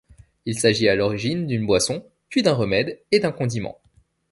Il s'agit à l'origine d'une boisson, puis d'un remède et d'un condiment.